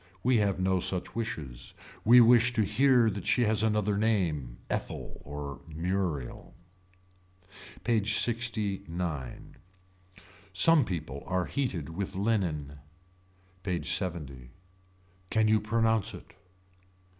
We have no such wishes. We wish to hear that she has another name, Ethel or Muriel. PAGE LXIX. Some people are heated with linen. PAGE LXX. Can you pronounce it.